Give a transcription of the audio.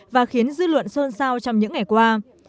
và khiến dư luận xôn xao trong những ngày qua